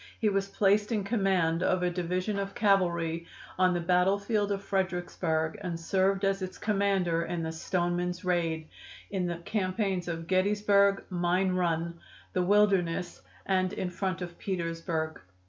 He was placed in command of a division of cavalry on the battlefield of Fredericksburg and served as its commander in the Stoneman's raid, in the campaigns of Gettysburg, Mine Run, the Wilderness and in front of Petersburg.